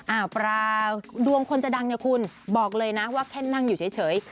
อ่าปลาดวงคนจะดังเนี่ยคุณบอกเลยนะว่าแค่นั่งอยู่เฉย